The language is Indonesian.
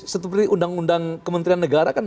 setelah undang undang kementerian negara